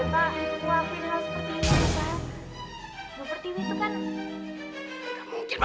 bupetini kok gak mungkin deh pak